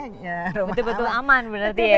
betul betul aman berarti ya ibu ya